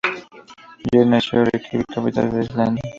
Geir nació en Reikiavik, capital de Islandia.